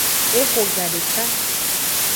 Eho gadeka.